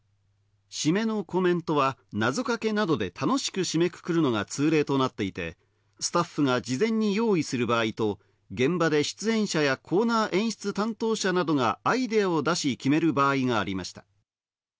締めのコメントは謎かけなどで楽しく締めくくるのが通例となっていてスタッフが事前に用意する場合と現場で出演者やコーナー演出担当者などがアイデアを出し決める場合がありました